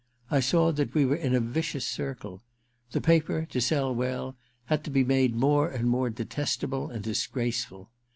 I saw that we were in a vicious circle. The paper, to sell well, had to be made more and more detestable and disgraceful.